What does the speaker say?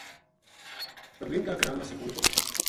پروین کا گراں ما سکول تھو